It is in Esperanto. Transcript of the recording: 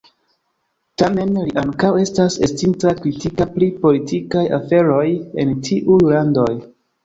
Tamen li ankaŭ estas estinta kritika pri politikaj aferoj en tiuj landoj.